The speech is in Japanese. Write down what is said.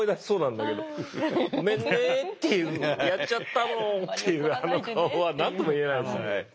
ごめんねっていうやっちゃったのっていうあの顔は何とも言えないですよね。